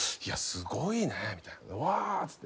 すごいねみたいな。